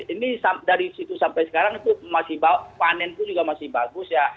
ini dari situ sampai sekarang itu masih panen pun juga masih bagus ya